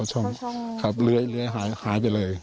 หายไปเลย